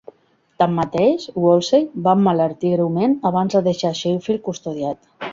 Tanmateix, Wolsey va emmalaltir greument abans de deixar Sheffield custodiat.